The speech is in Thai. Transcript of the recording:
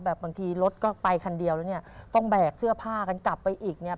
บางทีรถก็ไปคันเดียวแล้วเนี่ยต้องแบกเสื้อผ้ากันกลับไปอีกเนี่ย